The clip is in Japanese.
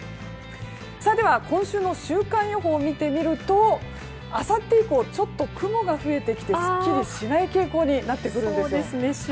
では今週の週間予報を見てみるとあさって以降ちょっと雲が増えてきてすっきりしない傾向になってくるんですよ。